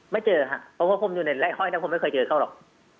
ไม่เจอครับเพราะว่าผมอยู่ในไล่ห้อยนะผมไม่เคยเจอเขาหรอก